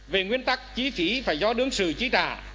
về nguyên tắc chi phí phải do đương sự chi trả